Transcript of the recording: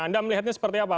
anda melihatnya seperti apa